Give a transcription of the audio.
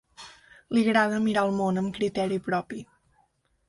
Li agrada mirar el món amb criteri propi.